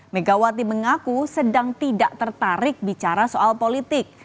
megawati mengaku sedang tidak tertarik bicara soal politik